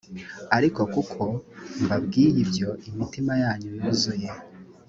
ariko kuko mbabwiye ibyo imitima yanyu yuzuye